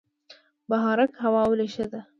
بهارک هوا ولې ښه ده؟